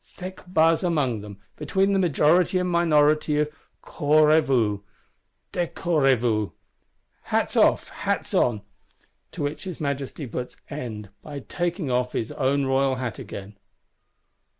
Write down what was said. Thick buzz among them, between majority and minority of Couvrezvous, Décrouvrez vous (Hats off, Hats on)! To which his Majesty puts end, by taking off his own royal hat again.